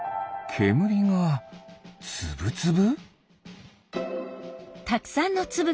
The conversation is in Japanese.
けむりがつぶつぶ？